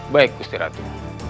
baik gusti ratu